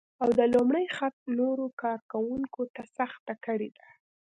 او د لومړي خط نورو کار کونکو ته سخته کړې ده